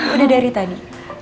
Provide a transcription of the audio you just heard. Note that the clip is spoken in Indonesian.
udah dari tadi